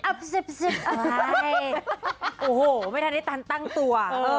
โอ้โหไม่ทันได้ทันตั้งตัว